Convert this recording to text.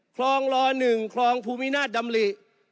คลองลอ๑คลองภูมินาศดำริ